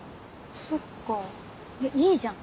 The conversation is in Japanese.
そっかいいじゃん。